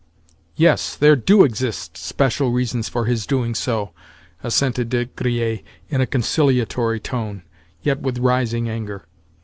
"Yes, there do exist special reasons for his doing so," assented De Griers in a conciliatory tone, yet with rising anger.